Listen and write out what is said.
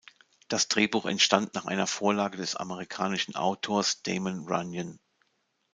Das Drehbuch entstand nach einer Vorlage des amerikanischen Autors Damon Runyon.